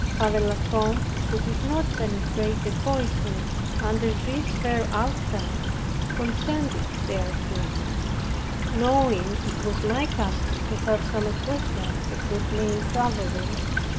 Father La Combe, who did not penetrate the poison under this fair outside, consented thereto; knowing it was my custom to have some ecclesiastic with me in traveling.